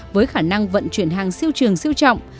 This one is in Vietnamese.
với khả năng vận chuyển hàng siêu trường siêu trọng